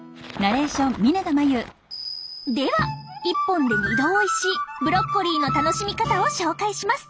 では１本で２度おいしいブロッコリーの楽しみ方を紹介します。